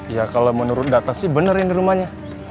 ya kalau menurut data sih benar ini rumahnya